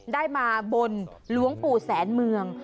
ได้มาบนหลวงปู่แสนเมือง